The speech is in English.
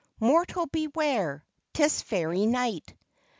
Mortal beware, 'Tis Fairy Night!